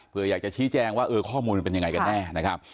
เพื่ออยากจะชี้แจงว่าเออข้อมูลมันเป็นยังไงกันแน่นะครับ